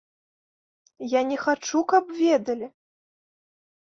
Я не хачу, каб ведалі.